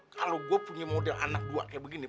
kalo gua punya model anak dua kayak begini